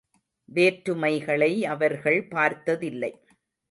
வேற்றுமைகளை அவர்கள் பார்த்ததில்லை.